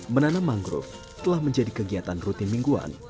menanam mangrove telah menjadi kegiatan rutin mingguan